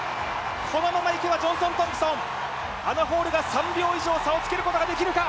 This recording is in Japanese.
このままいけばジョンソン・トンプソン、アナ・ホールが３秒以上差を付けることができるか。